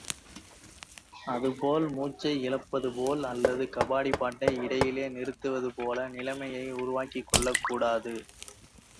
அதுபோல் மூச்சை இழப்பது போல் அல்லது கபாடிப் பாட்ை இடையிலே நிறுத்துவது போல நிலைமையை உருவாக்கிக்கொள்ளக் கூடாது.